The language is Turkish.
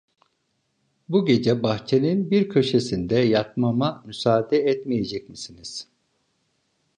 Bu gece bahçenin bir köşesinde yatmama müsaade etmeyecek misiniz?